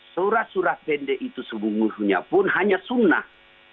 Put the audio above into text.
surah surah pendek itu sebumuhnya pun hanya sunnah